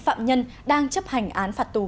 phạm nhân đang chấp hành án phạt tù